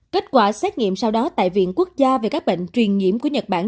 kết quả xét nghiệm sau đó tại viện quốc gia về các bệnh truyền nhiễm của nhật bản